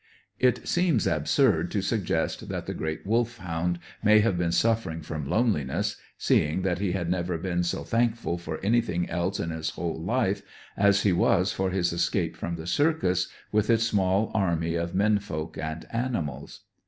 It seems absurd to suggest that the great Wolfhound may have been suffering from loneliness, seeing that he had never been so thankful for anything else in his whole life as he was for his escape from the circus, with its small army of men folk and animals.